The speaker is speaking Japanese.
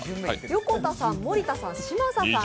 横田さん、森田さん、嶋佐さん